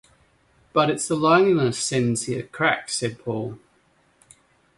“But it’s the loneliness sends her cracked,” said Paul.